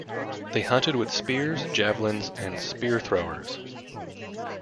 They hunted with spears, javelins, and spear-throwers.